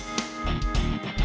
terima kasih chandra